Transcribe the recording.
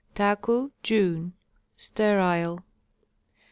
Taku, June. Sterile.